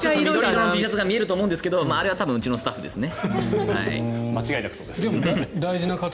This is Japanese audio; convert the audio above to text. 緑色のＴシャツが見えると思うんですがあれは多分うちのスタッフですね。